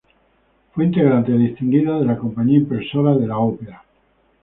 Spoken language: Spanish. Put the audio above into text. Fue integrante distinguida de la Compañía Impulsora de la Ópera.